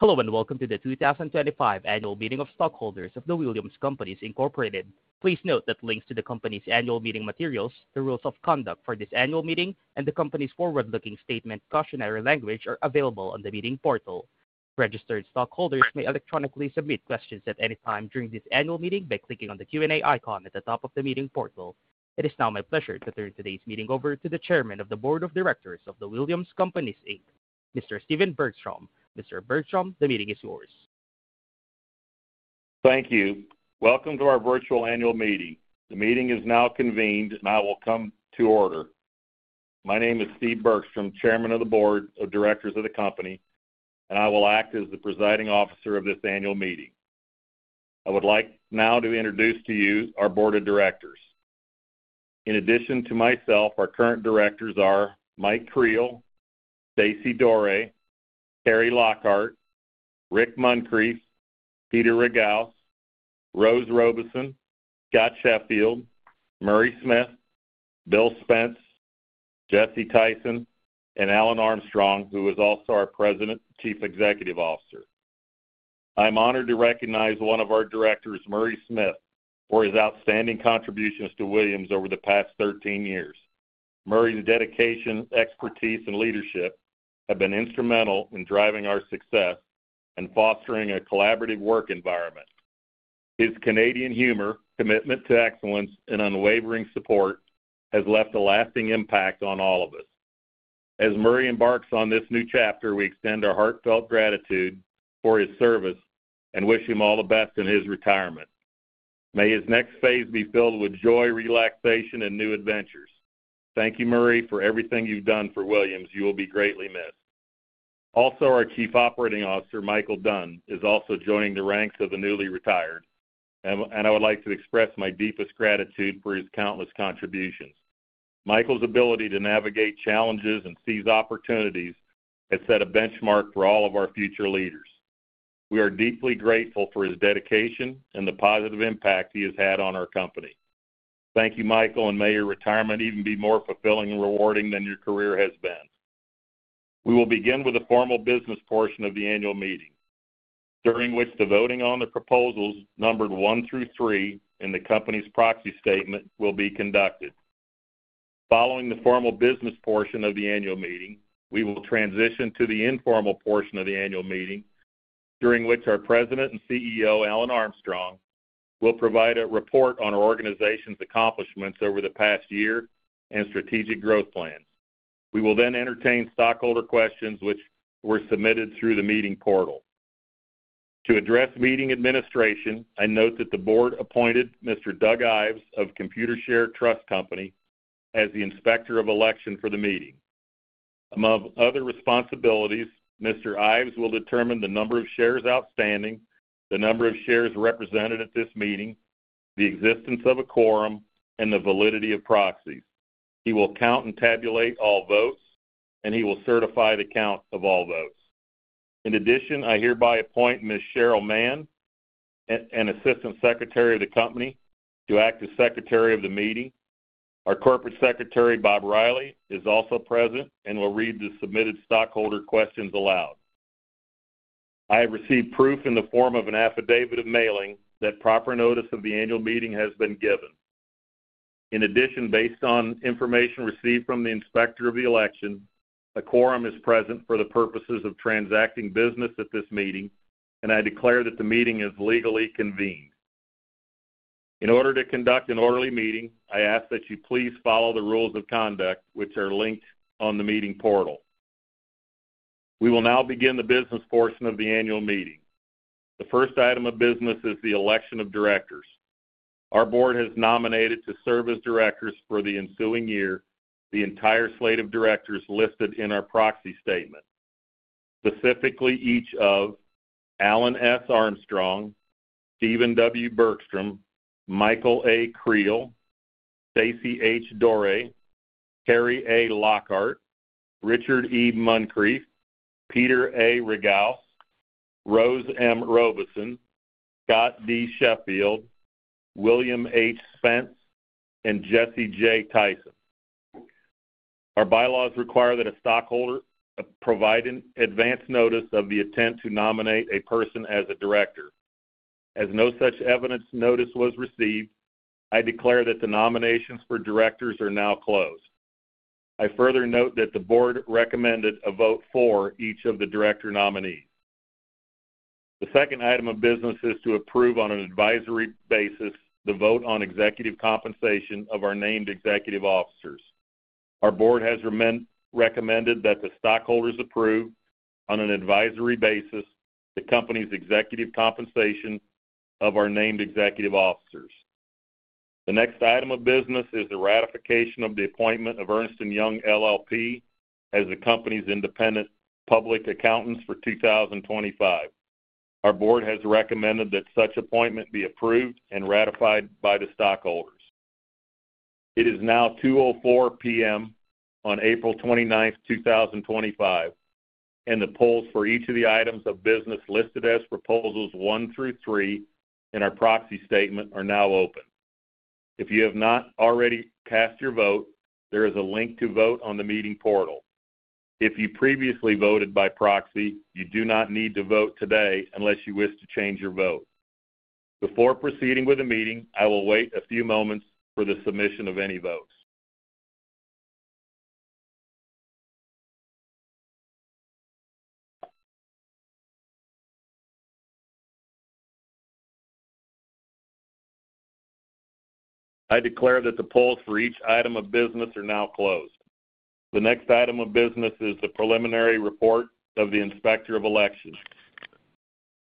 Hello, and welcome to the 2025 Annual Meeting of Stockholders of The Williams Companies. Please note that links to the company's annual meeting materials, the rules of conduct for this annual meeting, and the company's forward-looking statement cautionary language are available on the meeting portal. Registered stockholders may electronically submit questions at any time during this annual meeting by clicking on the Q&A icon at the top of the meeting portal. It is now my pleasure to turn today's meeting over to the Chairman of the Board of Directors of The Williams Companies, Mr. Stephen W. Bergstrom. Mr. Bergstrom, the meeting is yours. Thank you. Welcome to our virtual annual meeting. The meeting is now convened, and I will come to order. My name is Stephen W. Bergstrom, Chairman of the Board of Directors of the Company, and I will act as the presiding officer of this annual meeting. I would like now to introduce to you our Board of Directors. In addition to myself, our current directors are Michael A. Creel, Stacey H. Doré, Carri A. Lockhart, Richard E. Muncrief, Peter A. Ragauss, Rose M. Robeson, Scott D. Sheffield, Murray Smith, William H. Spence, Jesse J. Tyson, and Alan S. Armstrong, who is also our President and Chief Executive Officer. I'm honored to recognize one of our directors, Murray Smith, for his outstanding contributions to Williams over the past 13 years. Murray's dedication, expertise, and leadership have been instrumental in driving our success and fostering a collaborative work environment. His Canadian humor, commitment to excellence, and unwavering support have left a lasting impact on all of us. As Murray embarks on this new chapter, we extend our heartfelt gratitude for his service and wish him all the best in his retirement. May his next phase be filled with joy, relaxation, and new adventures. Thank you, Murray, for everything you've done for Williams. You will be greatly missed. Also, our Chief Operating Officer, Michael Dunn, is also joining the ranks of the newly retired, and I would like to express my deepest gratitude for his countless contributions. Michael's ability to navigate challenges and seize opportunities has set a benchmark for all of our future leaders. We are deeply grateful for his dedication and the positive impact he has had on our company. Thank you, Michael, and may your retirement even be more fulfilling and rewarding than your career has been. We will begin with the formal business portion of the annual meeting, during which the voting on the proposals numbered one through three in the company's proxy statement will be conducted. Following the formal business portion of the annual meeting, we will transition to the informal portion of the annual meeting, during which our President and CEO, Alan Armstrong, will provide a report on our organization's accomplishments over the past year and strategic growth plans. We will then entertain stockholder questions, which were submitted through the meeting portal. To address meeting administration, I note that the board appointed Mr. Doug Ives of Computershare Trust Company as the inspector of election for the meeting. Among other responsibilities, Mr. Ives will determine the number of shares outstanding, the number of shares represented at this meeting, the existence of a quorum, and the validity of proxies. He will count and tabulate all votes, and he will certify the count of all votes. In addition, I hereby appoint Ms. Cheryl Mann, an Assistant Secretary of the Company, to act as Secretary of the Meeting. Our Corporate Secretary, Bob Riley, is also present and will read the submitted stockholder questions aloud. I have received proof in the form of an affidavit of mailing that proper notice of the annual meeting has been given. In addition, based on information received from the inspector of the election, a quorum is present for the purposes of transacting business at this meeting, and I declare that the meeting is legally convened. In order to conduct an orderly meeting, I ask that you please follow the rules of conduct which are linked on the meeting portal. We will now begin the business portion of the annual meeting. The first item of business is the election of directors. Our board has nominated to serve as directors for the ensuing year the entire slate of directors listed in our proxy statement, specifically each of Alan S. Armstrong, Stephen W. Bergstrom, Michael A. Creel, Stacey H. Doré, Carri A. Lockhart, Richard E. Muncrief, Peter A. Ragauss, Rose M. Robeson, Scott D. Sheffield, William H. Spence, and Jesse J. Tyson. Our bylaws require that a stockholder provide advance notice of the intent to nominate a person as a director. As no such evidence notice was received, I declare that the nominations for directors are now closed. I further note that the board recommended a vote for each of the director nominees. The second item of business is to approve on an advisory basis the vote on executive compensation of our named executive officers. Our board has recommended that the stockholders approve on an advisory basis the company's executive compensation of our named executive officers. The next item of business is the ratification of the appointment of Ernst & Young LLP as the company's independent public accountants for 2025. Our board has recommended that such appointment be approved and ratified by the stockholders. It is now 2:04 P.M. on April 29, 2025, and the polls for each of the items of business listed as proposals one through three in our proxy statement are now open. If you have not already cast your vote, there is a link to vote on the meeting portal. If you previously voted by proxy, you do not need to vote today unless you wish to change your vote. Before proceeding with the meeting, I will wait a few moments for the submission of any votes. I declare that the polls for each item of business are now closed. The next item of business is the preliminary report of the inspector of elections.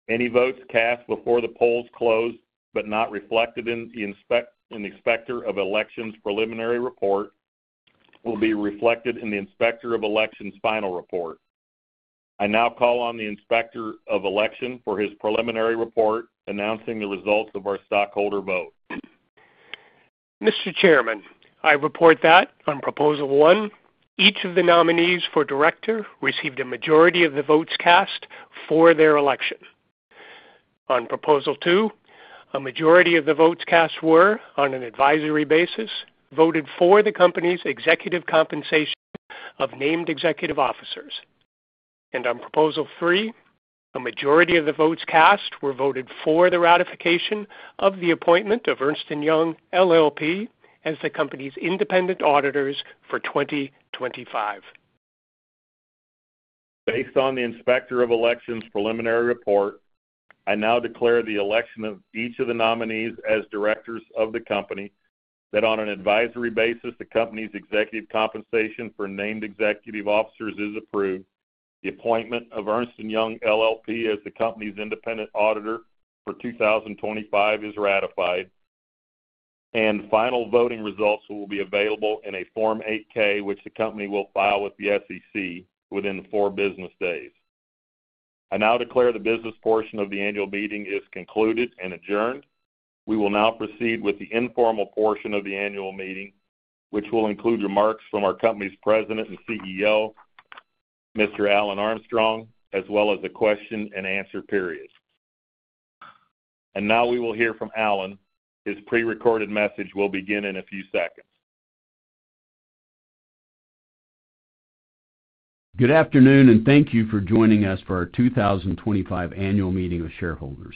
Any votes cast before the polls close but not reflected in the inspector of elections' preliminary report will be reflected in the inspector of elections' final report. I now call on the inspector of elections for his preliminary report, announcing the results of our stockholder vote. Mr. Chairman, I report that on proposal one, each of the nominees for director received a majority of the votes cast for their election. On proposal two, a majority of the votes cast were, on an advisory basis, voted for the company's executive compensation of named executive officers. On proposal three, a majority of the votes cast were voted for the ratification of the appointment of Ernst & Young LLP as the company's independent auditors for 2025. Based on the inspector of elections' preliminary report, I now declare the election of each of the nominees as directors of the company, that on an advisory basis, the company's executive compensation for named executive officers is approved. The appointment of Ernst & Young LLP as the company's independent auditor for 2025 is ratified. Final voting results will be available in a Form 8-K, which the company will file with the SEC within four business days. I now declare the business portion of the annual meeting is concluded and adjourned. We will now proceed with the informal portion of the annual meeting, which will include remarks from our company's President and CEO, Mr. Alan Armstrong, as well as a question-and-answer period. Now we will hear from Alan. His pre-recorded message will begin in a few seconds. Good afternoon, and thank you for joining us for our 2025 annual meeting of shareholders.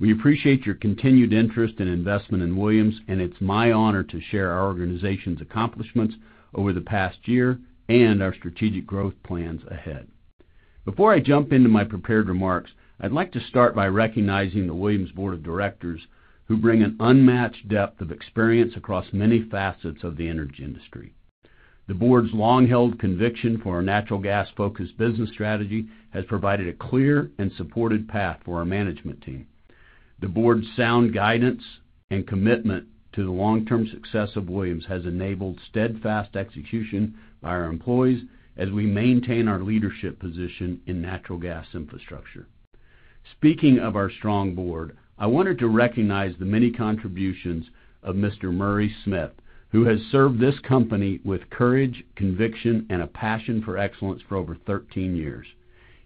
We appreciate your continued interest and investment in Williams, and it's my honor to share our organization's accomplishments over the past year and our strategic growth plans ahead. Before I jump into my prepared remarks, I'd like to start by recognizing the Williams Board of Directors, who bring an unmatched depth of experience across many facets of the energy industry. The board's long-held conviction for our natural gas-focused business strategy has provided a clear and supported path for our management team. The board's sound guidance and commitment to the long-term success of Williams has enabled steadfast execution by our employees as we maintain our leadership position in natural gas infrastructure. Speaking of our strong board, I wanted to recognize the many contributions of Mr. Murray Smith, who has served this company with courage, conviction, and a passion for excellence for over 13 years.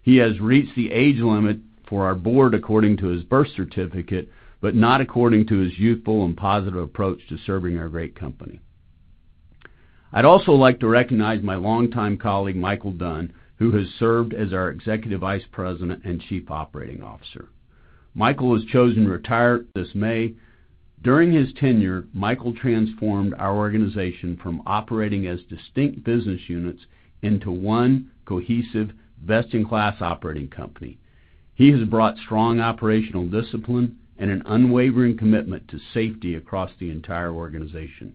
He has reached the age limit for our board according to his birth certificate, but not according to his youthful and positive approach to serving our great company. I'd also like to recognize my longtime colleague, Michael Dunn, who has served as our Executive Vice President and Chief Operating Officer. Michael was chosen to retire this May. During his tenure, Michael transformed our organization from operating as distinct business units into one cohesive, best-in-class operating company. He has brought strong operational discipline and an unwavering commitment to safety across the entire organization.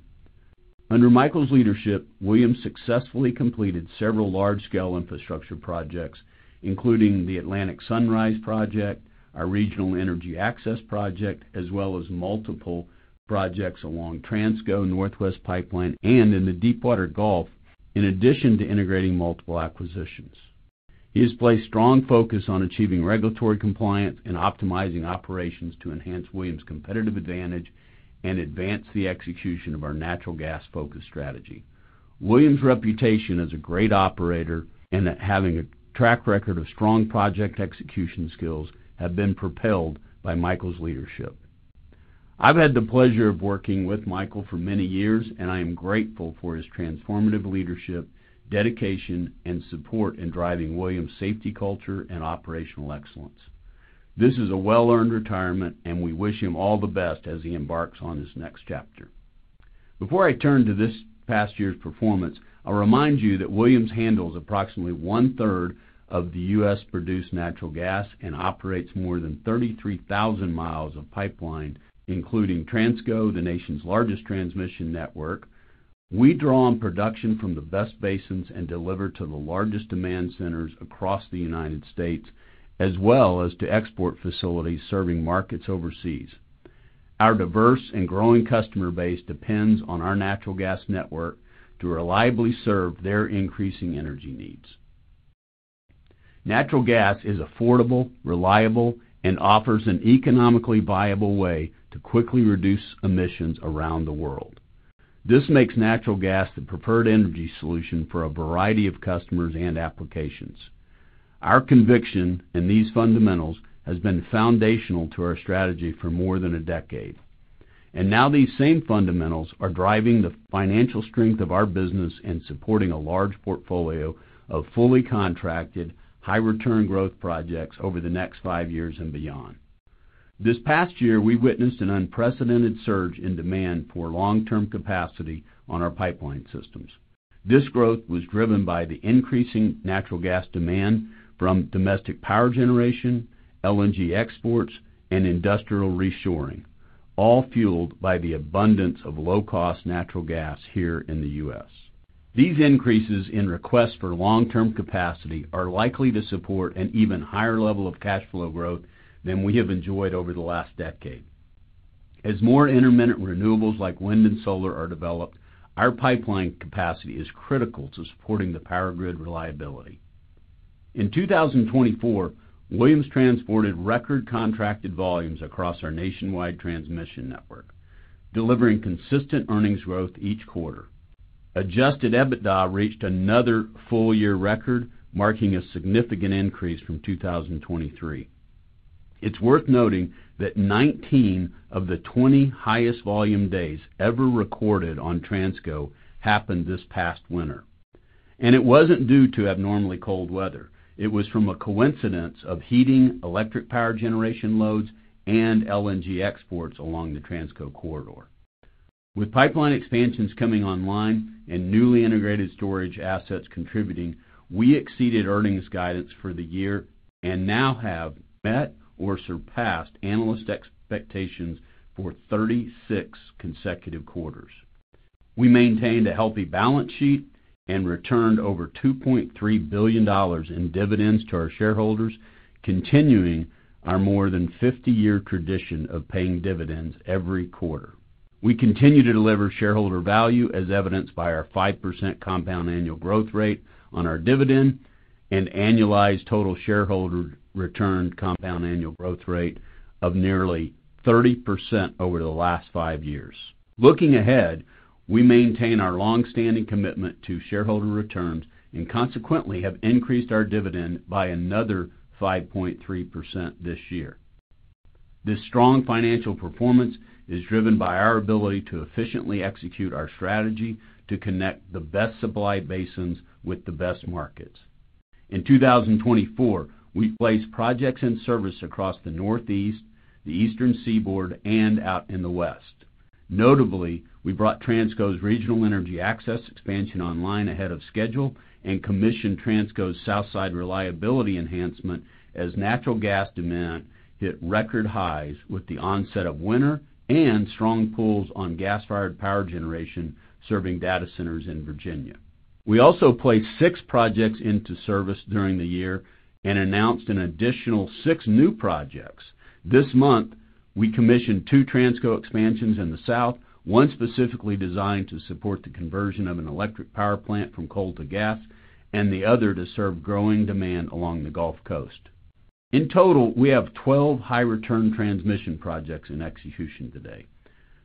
Under Michael's leadership, Williams successfully completed several large-scale infrastructure projects, including the Atlantic Sunrise Project, our regional energy access project, as well as multiple projects along Transco, Northwest Pipeline, and in the Deepwater Gulf, in addition to integrating multiple acquisitions. He has placed strong focus on achieving regulatory compliance and optimizing operations to enhance Williams' competitive advantage and advance the execution of our natural gas-focused strategy. Williams' reputation as a great operator and having a track record of strong project execution skills have been propelled by Michael's leadership. I've had the pleasure of working with Michael for many years, and I am grateful for his transformative leadership, dedication, and support in driving Williams' safety culture and operational excellence. This is a well-earned retirement, and we wish him all the best as he embarks on his next chapter. Before I turn to this past year's performance, I'll remind you that Williams handles approximately one-third of the U.S.-produced natural gas and operates more than 33,000 miles of pipeline, including Transco, the nation's largest transmission network. We draw on production from the best basins and deliver to the largest demand centers across the United States, as well as to export facilities serving markets overseas. Our diverse and growing customer base depends on our natural gas network to reliably serve their increasing energy needs. Natural gas is affordable, reliable, and offers an economically viable way to quickly reduce emissions around the world. This makes natural gas the preferred energy solution for a variety of customers and applications. Our conviction in these fundamentals has been foundational to our strategy for more than a decade. These same fundamentals are driving the financial strength of our business and supporting a large portfolio of fully contracted, high-return growth projects over the next five years and beyond. This past year, we witnessed an unprecedented surge in demand for long-term capacity on our pipeline systems. This growth was driven by the increasing natural gas demand from domestic power generation, LNG exports, and industrial reshoring, all fueled by the abundance of low-cost natural gas here in the U.S. These increases in requests for long-term capacity are likely to support an even higher level of cash flow growth than we have enjoyed over the last decade. As more intermittent renewables like wind and solar are developed, our pipeline capacity is critical to supporting the power grid reliability. In 2024, Williams transported record contracted volumes across our nationwide transmission network, delivering consistent earnings growth each quarter. Adjusted EBITDA reached another full-year record, marking a significant increase from 2023. It's worth noting that 19 of the 20 highest volume days ever recorded on Transco happened this past winter. It wasn't due to abnormally cold weather. It was from a coincidence of heating, electric power generation loads, and LNG exports along the Transco corridor. With pipeline expansions coming online and newly integrated storage assets contributing, we exceeded earnings guidance for the year and now have met or surpassed analyst expectations for 36 consecutive quarters. We maintained a healthy balance sheet and returned over $2.3 billion in dividends to our shareholders, continuing our more than 50-year tradition of paying dividends every quarter. We continue to deliver shareholder value, as evidenced by our 5% compound annual growth rate on our dividend and annualized total shareholder return compound annual growth rate of nearly 30% over the last five years. Looking ahead, we maintain our long-standing commitment to shareholder returns and consequently have increased our dividend by another 5.3% this year. This strong financial performance is driven by our ability to efficiently execute our strategy to connect the best supply basins with the best markets. In 2024, we placed projects in service across the Northeast, the Eastern Seaboard, and out in the West. Notably, we brought Transco's Regional Energy Access Expansion online ahead of schedule and commissioned Transco's Southside Reliability Enhancement as natural gas demand hit record highs with the onset of winter and strong pulls on gas-fired power generation serving data centers in Virginia. We also placed six projects into service during the year and announced an additional six new projects. This month, we commissioned two Transco expansions in the South, one specifically designed to support the conversion of an electric power plant from coal to gas and the other to serve growing demand along the Gulf Coast. In total, we have 12 high-return transmission projects in execution today,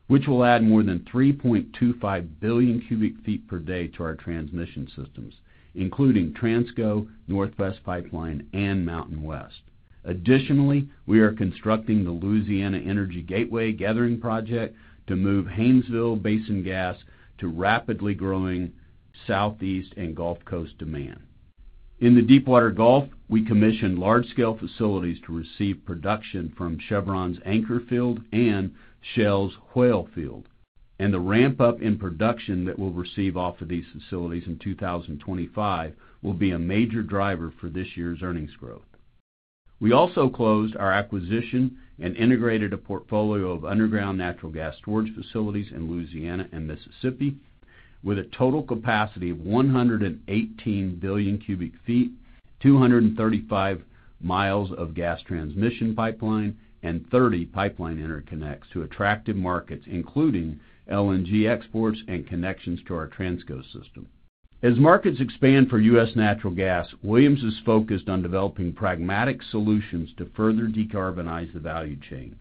which will add more than 3.25 billion cubic feet per day to our transmission systems, including Transco, Northwest Pipeline, and MountainWest. Additionally, we are constructing the Louisiana Energy Gateway gathering project to move Haynesville Basin gas to rapidly growing Southeast and Gulf Coast demand. In the Deepwater Gulf, we commissioned large-scale facilities to receive production from Chevron's Anchor Field and Shell's Whale Field. The ramp-up in production that we'll receive off of these facilities in 2025 will be a major driver for this year's earnings growth. We also closed our acquisition and integrated a portfolio of underground natural gas storage facilities in Louisiana and Mississippi with a total capacity of 118 billion cubic feet, 235 mi of gas transmission pipeline, and 30 pipeline interconnects to attractive markets, including LNG exports and connections to our Transco system. As markets expand for U.S. natural gas, Williams is focused on developing pragmatic solutions to further decarbonize the value chain.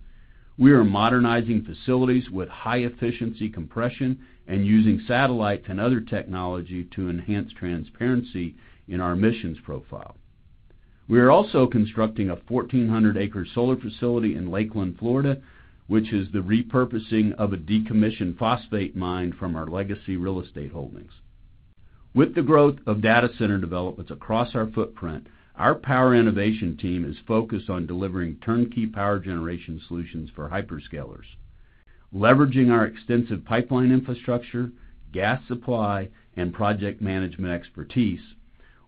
We are modernizing facilities with high-efficiency compression and using satellites and other technology to enhance transparency in our emissions profile. We are also constructing a 1,400-acre solar facility in Lakeland, Florida, which is the repurposing of a decommissioned phosphate mine from our legacy real estate holdings. With the growth of data center developments across our footprint, our power innovation team is focused on delivering turnkey power generation solutions for hyperscalers. Leveraging our extensive pipeline infrastructure, gas supply, and project management expertise,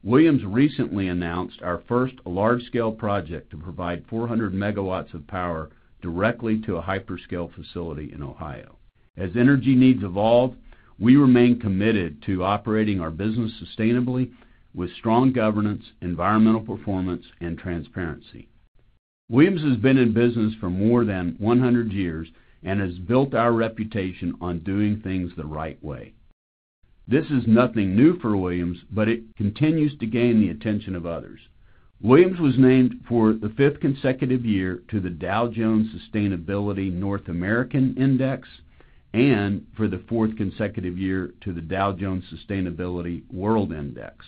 Williams recently announced our first large-scale project to provide 400 megawatts of power directly to a hyperscale facility in Ohio. As energy needs evolve, we remain committed to operating our business sustainably with strong governance, environmental performance, and transparency. Williams has been in business for more than 100 years and has built our reputation on doing things the right way. This is nothing new for Williams, but it continues to gain the attention of others. Williams was named for the fifth consecutive year to the Dow Jones Sustainability North American Index and for the fourth consecutive year to the Dow Jones Sustainability World Index.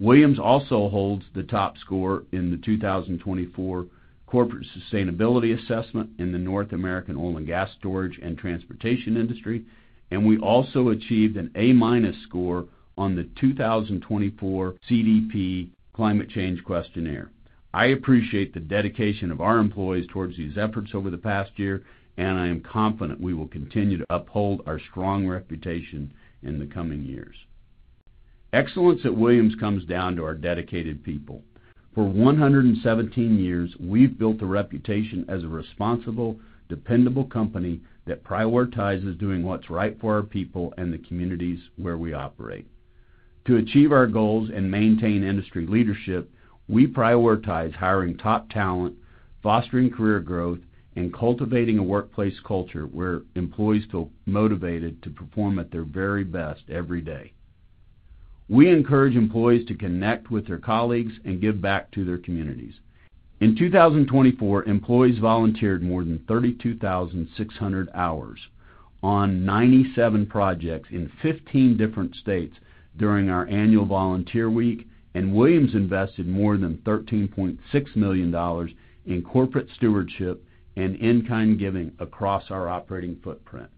Williams also holds the top score in the 2024 Corporate Sustainability Assessment in the North American Oil and Gas Storage and Transportation Industry, and we also achieved an A- score on the 2024 CDP Climate Change Questionnaire. I appreciate the dedication of our employees towards these efforts over the past year, and I am confident we will continue to uphold our strong reputation in the coming years. Excellence at Williams comes down to our dedicated people. For 117 years, we've built a reputation as a responsible, dependable company that prioritizes doing what's right for our people and the communities where we operate. To achieve our goals and maintain industry leadership, we prioritize hiring top talent, fostering career growth, and cultivating a workplace culture where employees feel motivated to perform at their very best every day. We encourage employees to connect with their colleagues and give back to their communities. In 2024, employees volunteered more than 32,600 hours on 97 projects in 15 different states during our annual volunteer week, and Williams invested more than $13.6 million in corporate stewardship and in-kind giving across our operating footprint.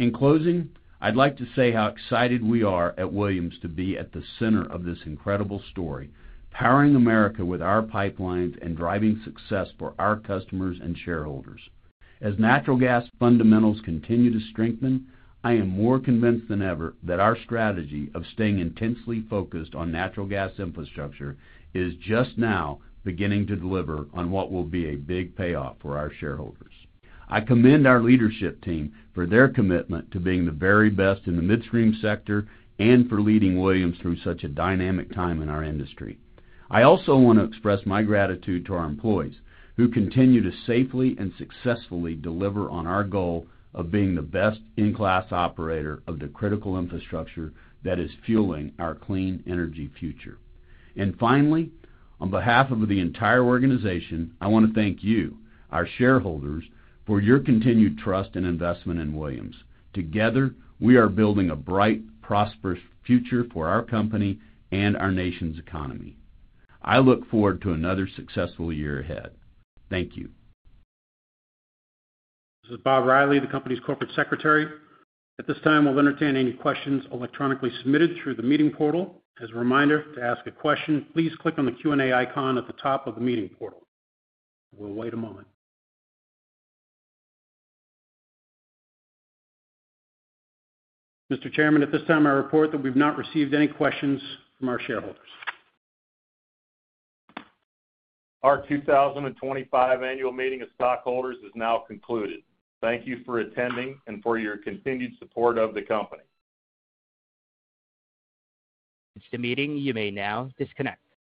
In closing, I'd like to say how excited we are at Williams to be at the center of this incredible story, powering America with our pipelines and driving success for our customers and shareholders. As natural gas fundamentals continue to strengthen, I am more convinced than ever that our strategy of staying intensely focused on natural gas infrastructure is just now beginning to deliver on what will be a big payoff for our shareholders. I commend our leadership team for their commitment to being the very best in the midstream sector and for leading Williams through such a dynamic time in our industry. I also want to express my gratitude to our employees who continue to safely and successfully deliver on our goal of being the best in-class operator of the critical infrastructure that is fueling our clean energy future. Finally, on behalf of the entire organization, I want to thank you, our shareholders, for your continued trust and investment in Williams. Together, we are building a bright, prosperous future for our company and our nation's economy. I look forward to another successful year ahead. Thank you. This is Bob Riley, the company's Corporate Secretary. At this time, we'll entertain any questions electronically submitted through the meeting portal. As a reminder, to ask a question, please click on the Q&A icon at the top of the meeting portal. We'll wait a moment. Mr. Chairman, at this time, I report that we've not received any questions from our shareholders. Our 2025 annual meeting of stockholders is now concluded. Thank you for attending and for your continued support of the company. At this time, you may now disconnect.